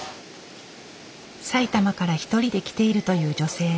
埼玉から一人で来ているという女性。